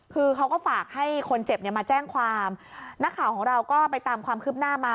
คือเขาก็ฝากให้คนเจ็บเนี่ยมาแจ้งความนักข่าวของเราก็ไปตามความคืบหน้ามา